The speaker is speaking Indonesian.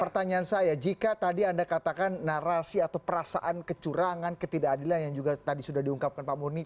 pertanyaan saya jika tadi anda katakan narasi atau perasaan kecurangan ketidakadilan yang juga tadi sudah diungkapkan pak murni